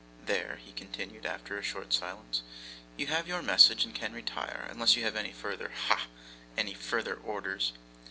'There,' he continued, after a short silence, 'you have your message and can retire unless you have any further ha! any further orders.